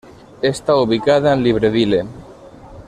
Está ubicada en Libreville.